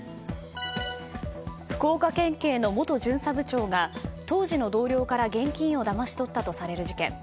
福岡県警の元巡査部長が当時の同僚から現金をだまし取ったとされる事件。